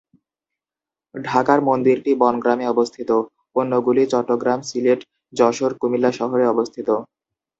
ঢাকার মন্দিরটি বনগ্রামে অবস্থিত; অন্যগুলি চট্টগ্রাম, সিলেট, যশোর, কুমিল্লা শহরে অবস্থিত।